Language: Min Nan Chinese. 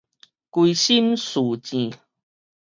歸心似箭